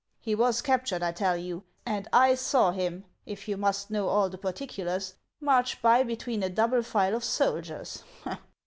He was captured, I tell you ; and I saw him, if you must know all the particulars, march by between a double file of soldiers."